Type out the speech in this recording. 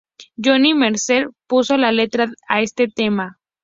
Johnny Mercer puso la letra a este tema.